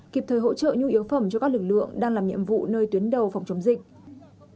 kịp thời hỗ trợ nhu yếu phẩm cho các lực lượng đang làm nhiệm vụ nơi tuyến đầu phòng chống dịch